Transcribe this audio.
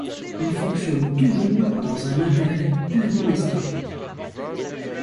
Il fonctionne toujours dans un intérêt purement historique.